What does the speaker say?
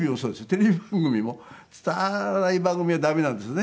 テレビ番組も伝わらない番組は駄目なんですね。